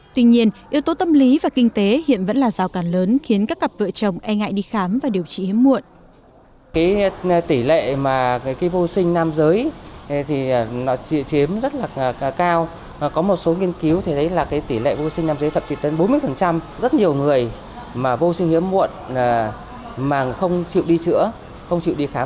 tuy nhiên yếu tố tâm lý và kinh tế hiện vẫn là rào cản lớn khiến các cặp vợ chồng e ngại đi khám và điều trị hiếm muộn